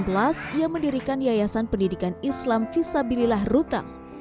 pada dua ribu delapan belas ia mendirikan yayasan pendidikan islam fisabilillah rutang